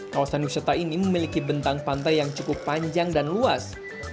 kawasan wisata ini memiliki bentang pantai yang cukup panjang dan luas